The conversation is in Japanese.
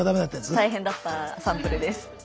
大変だったサンプルです。